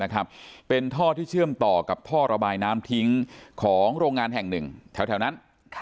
เป็นท่อที่เชื่อมต่อกับท่อระบายน้ำทิ้งของโรงงานแห่งหนึ่งแถวนั้น